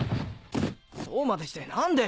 そうまでして何で！